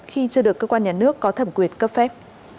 khi chưa được cơ quan nhà nước có thẩm quyền cấp phép